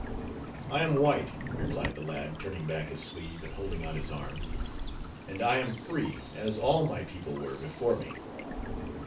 "I am white," replied the lad, turning back his sleeve and holding out his arm, "and I am free, as all my people were before me."